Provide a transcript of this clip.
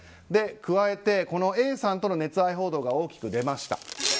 加えて、Ａさんとの熱愛報道が大きく出ました。